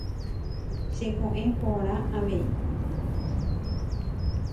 Cheko'ẽ porã avei.